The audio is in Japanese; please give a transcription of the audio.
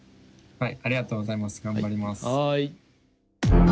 はい。